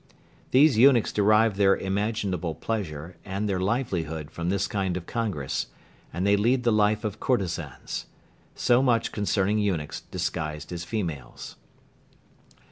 These eunuchs derive their imaginable pleasure, and their livelihood from this kind of congress, and they lead the life of courtezans. So much concerning eunuchs disguised as females.